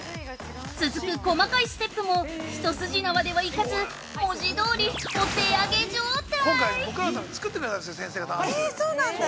続く細かいステップも一筋縄では行かず文字通りお手上げ状態。